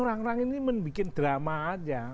orang orang ini membuat drama aja